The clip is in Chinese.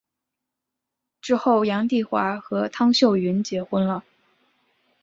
之后杨棣华和汤秀云结婚了。